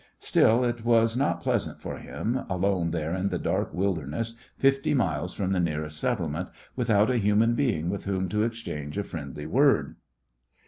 Still it was not pleasant for him, alone there in the dark wilderness fifty miles from the nearest settlement, without a human being with whom to exchange a friendly word.